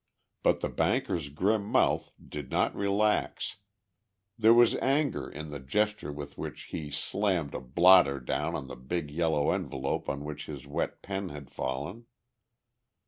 But the banker's grim mouth did not relax; there was anger in the gesture with which he slammed a blotter down on the big yellow envelope on which his wet pen had fallen.